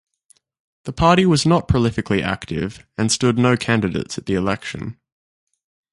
The party was not prolifically active and stood no candidates at the election.